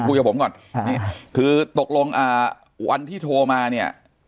คุยกับผมก่อนนี่คือตกลงอ่าวันที่โทรมาเนี่ย